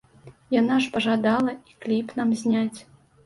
Яна ж пажадала і кліп нам зняць.